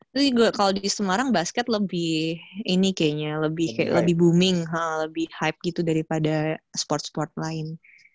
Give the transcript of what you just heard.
tapi kalau di semarang basket lebih ini kayaknya lebih booming lebih hype gitu daripada sport sport lain